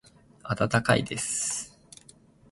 温かいです。